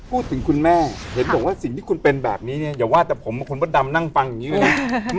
คุณแม่เห็นบอกว่าสิ่งที่คุณเป็นแบบนี้เนี่ยอย่าว่าแต่ผมกับคุณมดดำนั่งฟังอย่างนี้เลยนะ